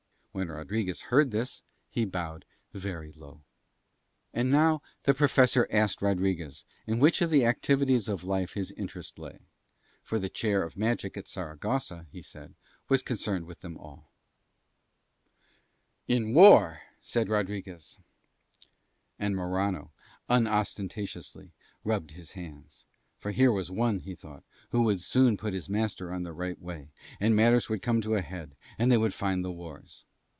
When Rodriguez heard this he bowed very low. And now the Professor asked Rodriguez in which of the activities of life his interest lay; for the Chair of Magic at Saragossa, he said, was concerned with them all. "In war," said Rodriguez. And Morano unostentatiously rubbed his hands; for here was one, he thought, who would soon put his master on the right way, and matters would come to a head and they would find the wars.